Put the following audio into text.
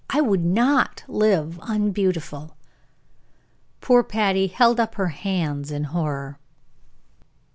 I would not live unbeautiful!" Poor Patty held up her hands in horror.